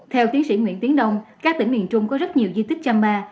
theo tiến sĩ nguyễn tiến đông các tỉnh miền trung có rất nhiều di tích châm ba